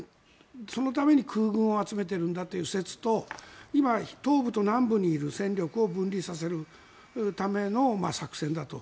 そのために空軍を集めてるんだという説と今、東部と南部にいる戦力を分離させるための作戦だと。